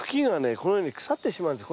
このように腐ってしまうんです。